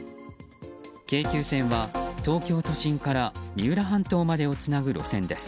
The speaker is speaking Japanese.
京急線は、東京都心から三浦半島までをつなぐ路線です。